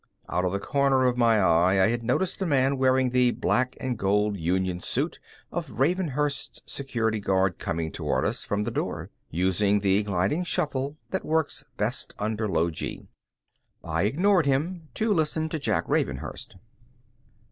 Out of the corner of my eye, I had noticed a man wearing the black and gold union suit of Ravenhurst's Security Guard coming toward us from the door, using the gliding shuffle that works best under low gee. I ignored him to listen to Jack Ravenhurst.